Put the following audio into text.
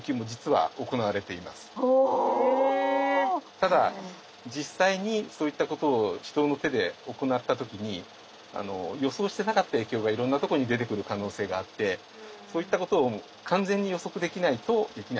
ただ実際にそういったことを人の手で行った時に予想してなかった影響がいろんなとこに出てくる可能性があってそういったことを完全に予測できないとできないですね。